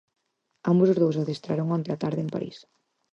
Ambos os dous adestraron onte á tarde en París.